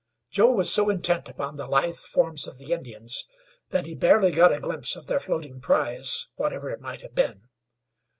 Joe was so intent upon the lithe forms of the Indians that he barely got a glimpse of their floating prize, whatever it might have been.